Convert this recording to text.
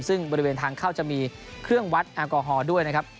ซึ่งบริเวณทางเข้าจะมีเครื่องวัดแอลกอฮอล์ด้วยนะครับ